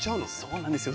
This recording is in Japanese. そうなんですよ。